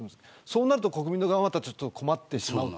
そうすると国民側は困ってしまう。